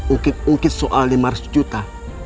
ukit ungkit soal lima ratus juta